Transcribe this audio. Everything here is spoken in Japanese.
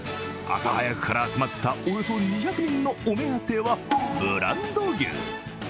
朝早くから集まったおよそ２００人のお目当ては、ブランド牛。